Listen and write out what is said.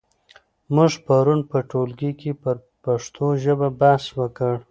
موږ پرون په ټولګي کې پر پښتو ژبه بحث وکړ.